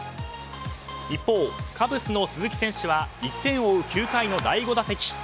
一方、カブスの鈴木選手は１点を追う９回の第５打席。